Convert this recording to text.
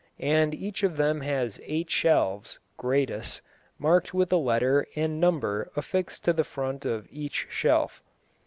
And each of them has eight shelves (gradus), marked with a letter and number affixed on the front of each shelf....